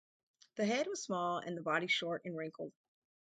The head was small and the body short and wrinkled.